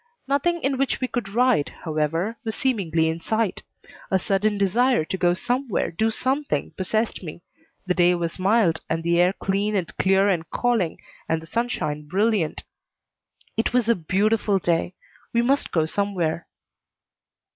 Nothing in which we could ride, however, was seemingly in sight. A sudden desire to go somewhere, do something, possessed me. The day was mild, and the air clean and clear and calling, and the sunshine brilliant. It was a beautiful day. We must go somewhere.